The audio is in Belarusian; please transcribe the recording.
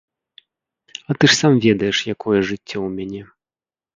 А ты ж сам ведаеш, якое жыццё ў мяне.